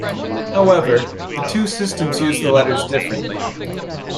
However, the two systems use the letters differently.